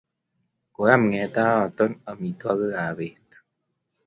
Koam ng'etayatak amitwogik ap pet